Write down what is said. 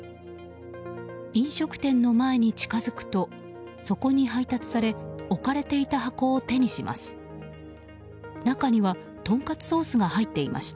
飲食店の前に近づくとそこに配達され置かれていた箱を手にします。